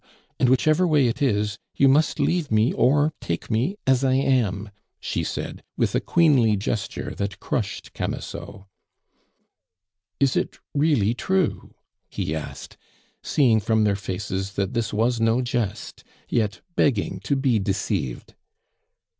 And whichever way it is, you must leave me or take me as I am," she said, with a queenly gesture that crushed Camusot. "Is it really true?" he asked, seeing from their faces that this was no jest, yet begging to be deceived.